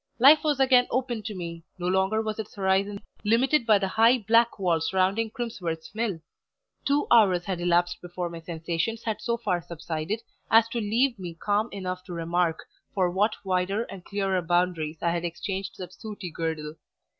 Life was again open to me; no longer was its horizon limited by the high black wall surrounding Crimsworth's mill. Two hours had elapsed before my sensations had so far subsided as to leave me calm enough to remark for what wider and clearer boundaries I had exchanged that sooty girdle.